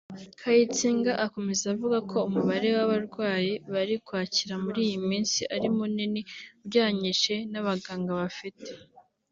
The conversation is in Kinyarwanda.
Kayitsinga akomeza avuga ko umubare w’abarwayi bari kwakira muri iyi minsi ari munini ugereranyije n’abaganga bafite